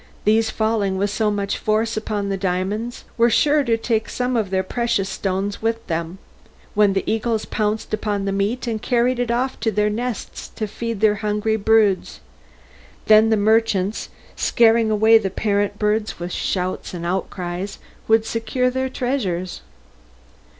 These, falling with so much force upon the diamonds, were sure to take up some of the precious stones with them, when the eagles pounced upon the meat and carried it off to their nests to feed their hungry broods. Then the merchants, scaring away the parent birds with shouts and outcries, would secure their treasures.